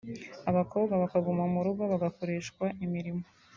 abakobwa bakaguma mu rugo bagakoreshwa imirimo